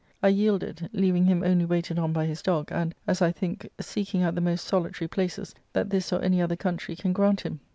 I yielded, leaving him only waited on by his dog, and, as I think, seeking out the most solitary places that this or any other country can grant him."